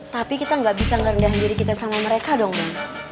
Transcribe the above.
tapi kita nggak bisa ngerendahkan diri kita sama mereka dong bang